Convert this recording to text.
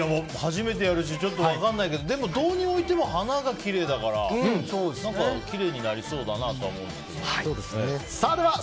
初めてやるしちょっと分かんないけどでも、どう置いても花がきれいだからきれいになりそうだなとは思うんですけど。